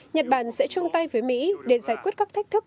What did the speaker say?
nhật bản sẽ chung tay với mỹ để giải quyết các thách thức